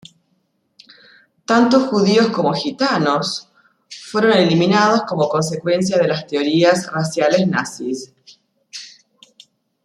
Tanto judíos como gitanos fueron eliminados como consecuencia de las teorías raciales nazis.